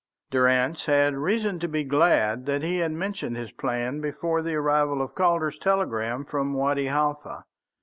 Durrance had reason to be glad that he had mentioned his plan before the arrival of Calder's telegram from Wadi Halfa.